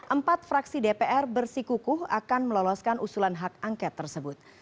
empat fraksi dpr bersikukuh akan meloloskan usulan hak angket tersebut